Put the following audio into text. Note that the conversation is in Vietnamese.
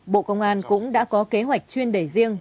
bộ công an cũng đã có kế hoạch chuyên đề riêng